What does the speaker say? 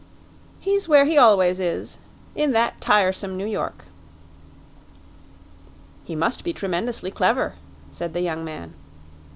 "He's where he always is in that tiresome New York." "He must be tremendously clever," said the young man.